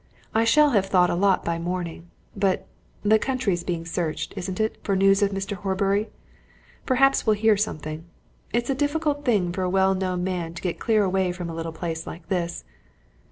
I shall have thought a lot by morning. But the country's being searched, isn't it, for news of Mr. Horbury? perhaps we'll hear something. It's a difficult thing for a well known man to get clear away from a little place like this.